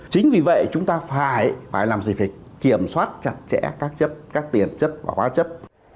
chính vì vậy chúng ta phải làm gì phải kiểm soát chặt chẽ các tiền chất và hóa chất